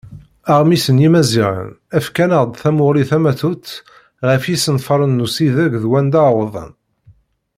Aɣmis n Yimaziɣen: Efk-aneɣ-d tamuɣli tamatut ɣef yisenfaren n usideg d wanda wwḍen?